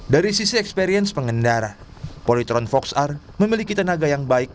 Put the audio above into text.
dari sisi experience pengendara polytron fox r memiliki tenaga yang baik